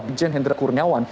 bjen hendrik kurniawan